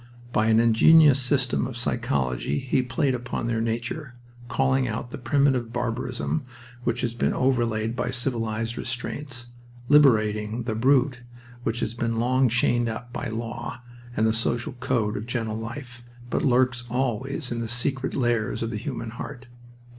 By an ingenious system of psychology he played upon their nature, calling out the primitive barbarism which has been overlaid by civilized restraints, liberating the brute which has been long chained up by law and the social code of gentle life, but lurks always in the secret lairs of the human heart.